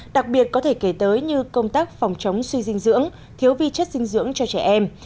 đặc biệt có thể kể tới như công tác phòng chống suy dinh dưỡng thiếu vi chất dinh dưỡng cho trẻ em